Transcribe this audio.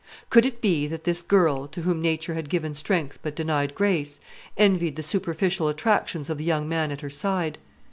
Could it be that this girl, to whom nature had given strength but denied grace, envied the superficial attractions of the young man at her side?